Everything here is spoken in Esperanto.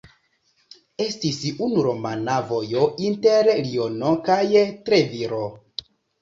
Estis unu romana vojo inter Liono kaj Treviro.